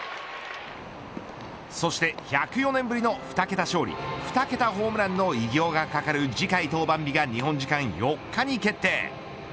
そして１０４年ぶりの２桁勝利２桁ホームランの偉業がかかる次回登板日が日本時間４日に決定。